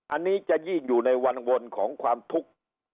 อันนี้จะยิ่งอยู่ในวันวลของความทุกข์